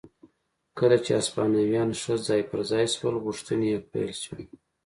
کله چې هسپانویان ښه ځای پر ځای شول غوښتنې یې پیل شوې.